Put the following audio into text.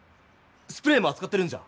スプレーもあつかってるんじゃ？